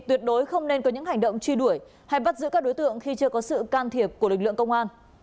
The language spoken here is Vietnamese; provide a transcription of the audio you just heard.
tuyệt đối không nên có những hành động truy đuổi hay bắt giữ các đối tượng khi chưa có sự can thiệp của lực lượng công an